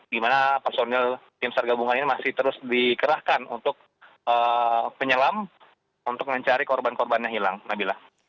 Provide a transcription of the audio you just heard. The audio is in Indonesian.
di mana personil tim sargabungan ini masih terus dikerahkan untuk penyelam untuk mencari korban korbannya hilang nabila